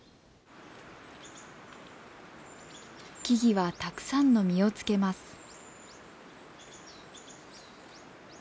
木々はたくさんの実をつけます。